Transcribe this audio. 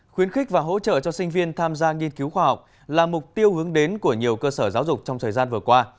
khuyến khích và hỗ trợ cho sinh viên tham gia nghiên cứu khoa học là mục tiêu hướng đến của nhiều cơ sở giáo dục trong thời gian vừa qua